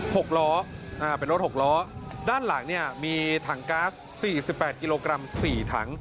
หกล้ออ่าเป็นรถหกล้อด้านหลังเนี่ยมีถังก๊าซสี่สิบแปดกิโลกรัมสี่ถัง